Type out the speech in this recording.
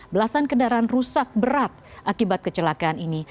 belasan kendaraan rusak berat akibat kecelakaan ini